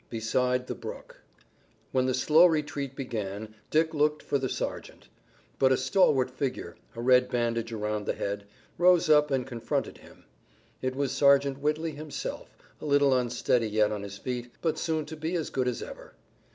BESIDE THE BROOK When the slow retreat began Dick looked for the sergeant. But a stalwart figure, a red bandage around the head, rose up and confronted him. It was Sergeant Whitley himself, a little unsteady yet on his feet, but soon to be as good as ever.